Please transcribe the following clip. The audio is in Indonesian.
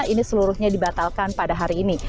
ini seluruhnya dibatalkan pada hari ini